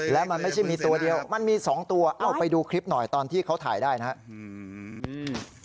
และมันไม่ใช่มีตัวเดียวมันมีสองตัวเอ้าไปดูคลิปหน่อยตอนที่เขาถ่ายได้นะครับ